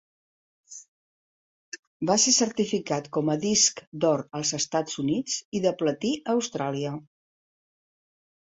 Va ser certificat com a disc d'or als Estats Units i de platí a Austràlia.